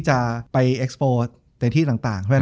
จบการโรงแรมจบการโรงแรม